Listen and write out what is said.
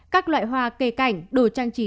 các loại hoa cây cảnh đồ trang trí